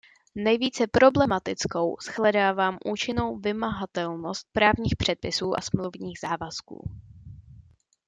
Nejvíce problematickou shledávám účinnou vymahatelnost právních předpisů a smluvních závazků.